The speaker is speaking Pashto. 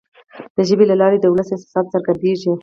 د ژبي له لارې د ولس احساسات څرګندیږي.